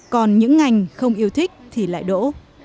còn những ngành không yêu thích thì lại đổ